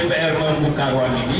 dpr membuka ruang ini